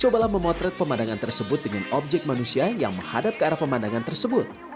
cobalah memotret pemandangan tersebut dengan objek manusia yang menghadap ke arah pemandangan tersebut